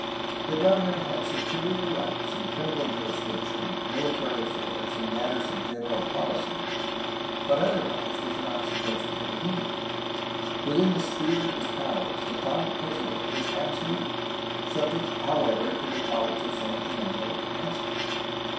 The governor had superior rights in criminal jurisdic tion, mihtary affairs, and matters of general pohcy, but otherwise was not supposed to intervene. Within the sphere of his powers the Father President was absolute, subject however to the College of San Fernando in Mexico.